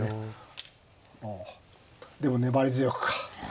ああでも粘り強くか。